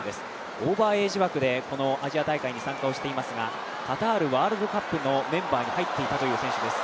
オーバーエイジ枠でアジア大会に参加していますがカタールワールドカップのメンバーに入っていたという選手です。